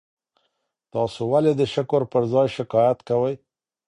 تاسي ولي د شکر پر ځای شکایت کوئ؟